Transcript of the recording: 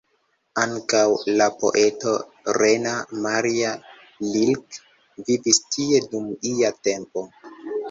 Ankaŭ la poeto Rainer Maria Rilke vivis tie dum ia tempo.